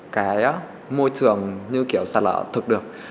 cái môi trường như kiểu sật lỡ thực được